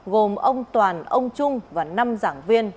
gồm ông toàn ông trung và năm giảng viên